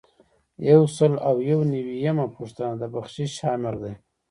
یو سل او یو نوي یمه پوښتنه د بخشش آمر دی.